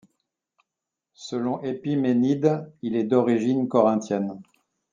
Selon Épiménide, il est d'origine corinthienne.